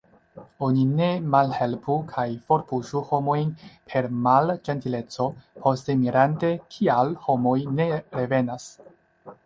Oni ne malhelpu kaj forpuŝu homojn per malĝentileco, poste mirante kial homoj ne revenas.